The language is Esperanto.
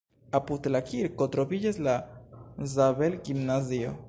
Apud la kirko troviĝas la Zabel-gimnazio.